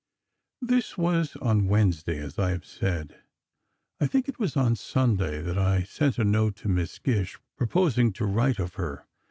This was on Wednesday, as I have said. I think it was on Sunday that I sent a note to Miss Gish, proposing to write of her.